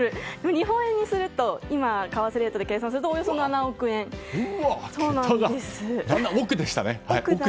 日本円にすると今の為替レートで計算すると桁が、億でしたね。